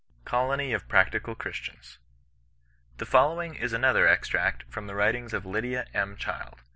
COLOKT OF PBAOTIOAL CHBISTIAKS. The following is another extract from the writings of Lydia, M, Child.